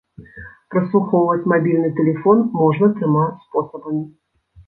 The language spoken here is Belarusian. Праслухоўваць мабільны тэлефон можна трыма спосабамі.